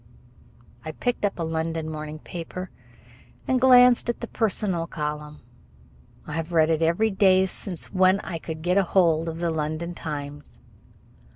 I picked up a London morning paper and glanced at the personal column. I have read it every day since when I could get hold of the London Times.